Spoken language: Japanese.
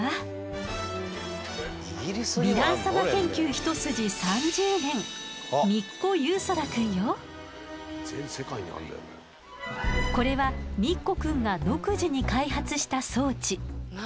ヴィラン様研究一筋３０年これはミッコくんが独自に開発した装置。